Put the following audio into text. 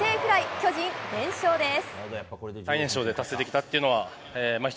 巨人、連勝です。